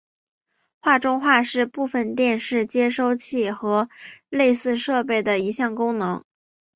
画中画是部分电视接收器和类似设备的一项功能。